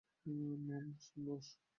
মমম, বস।